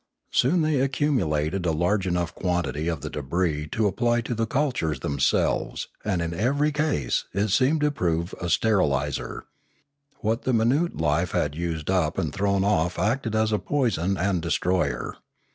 Soon they accumulated a large enough quantity of the debris to apply to the cultures themselves, and in every case it seemed to prove a steriliser; what the minute life had used up and thrown off acted as a poison and de stroyer.